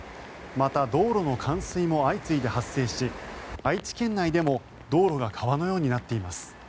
また、道路の冠水も相次いで発生し愛知県内でも道路が川のようになっています。